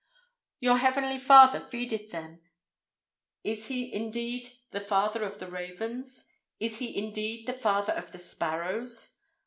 "Your heavenly Father feedeth them." Is He indeed the Father of the ravens? Is He indeed the Father of the sparrows?